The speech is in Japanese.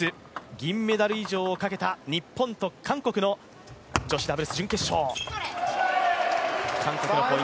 銀メダル以上をかけた、日本と韓国の女子ダブルス準決勝。